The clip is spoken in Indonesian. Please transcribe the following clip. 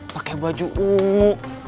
pake baju ungu